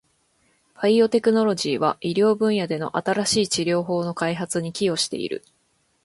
バイオテクノロジーは、医療分野での新しい治療法の開発に寄与している。